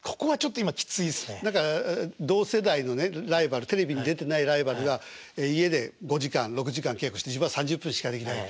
だから同世代のねライバルテレビに出てないライバルは家で５時間６時間稽古して自分は３０分しかできない。